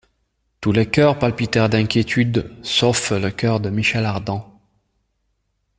Tous les cœurs palpitèrent d’inquiétude, sauf le cœur de Michel Ardan.